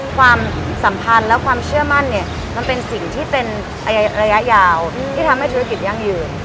ความสัมพันธ์และความเชื่อมั่นเนี่ยมันเป็นสิ่งที่เป็นระยะยาวที่ทำให้ธุรกิจยั่งยืน